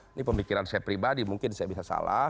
ini pemikiran saya pribadi mungkin saya bisa salah